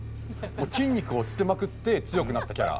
筋肉をつけまくって強くなったキャラ。